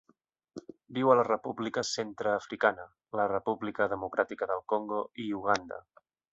Viu a la República Centreafricana, la República Democràtica del Congo i Uganda.